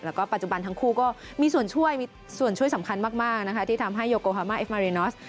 แล้วก็ปัจจุบันทั้งคู่ก็มีส่วนช่วยสำคัญมากที่ทำให้โกฮามาเอฟมารินอส